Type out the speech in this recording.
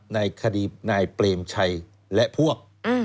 ในคดีนายเปรมชัยและพวก